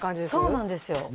そうなんですよ